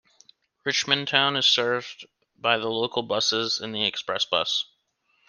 Richmondtown is served by the local buses and the express bus.